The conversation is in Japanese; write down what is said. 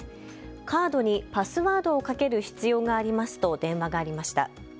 カードにパスワードをかける必要がありますと電話がありました。